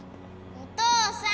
お父さん！